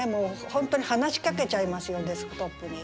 本当に話しかけちゃいますよデスクトップに。